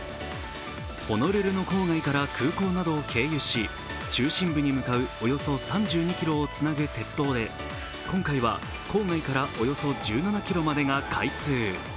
ホノルルの郊外から空港などを経由し中心部に向かうおよそ３２ｋｍをつなぐ鉄道で今回は、郊外からおよそ１７ｋｍまでが開通。